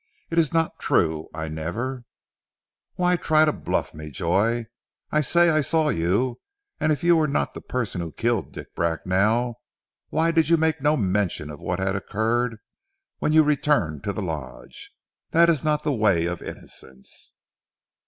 It is not true. I never " "Why try to bluff me, Joy? I say I saw you and if you were not the person who killed Dick Bracknell, why did you make no mention of what had occurred when you returned to the Lodge? That is not the way of innocence."